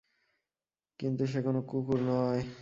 কিন্তু সে কোন কুকুর নয়।